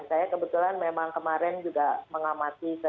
saya kebetulan memang kemarin juga mengamati